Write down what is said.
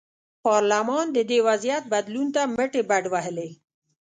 پارلمان د دې وضعیت بدلون ته مټې بډ وهلې.